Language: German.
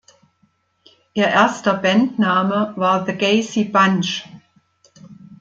Ihr erster Bandname war The Gacy Bunch.